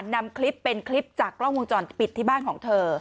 นำคลิปเป็นคลิปจากกล้องวงจรปิดที่บ้านของเธอ